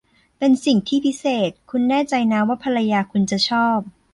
เป็นสิ่งที่พิเศษ คุณแน่ใจนะว่าภรรยาคุณจะชอบ